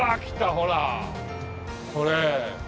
ほらこれ。